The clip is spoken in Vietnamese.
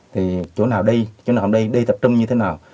thì chỗ nào đi chỗ nào không đi đi tập trung như thế nào